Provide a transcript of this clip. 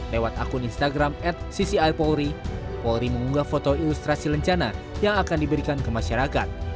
lewat akun instagram at ccr polri polri mengunggah foto ilustrasi rencana yang akan diberikan ke masyarakat